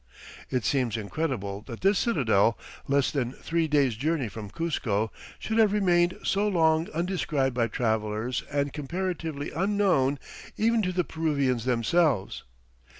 It seems incredible that this citadel, less than three days' journey from Cuzco, should have remained so long undescribed by travelers and comparatively unknown even to the Peruvians themselves.